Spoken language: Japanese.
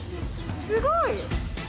すごい。